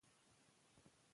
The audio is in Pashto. که رښتیا وي نو غوسه نه وي.